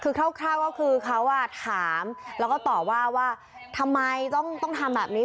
คือคร่าวก็คือเขาถามแล้วก็ตอบว่าว่าทำไมต้องทำแบบนี้